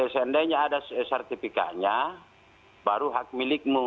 seandainya ada sertifikatnya baru hak milikmu